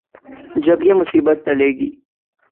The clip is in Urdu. جب یہ مصیبت ٹلے گی۔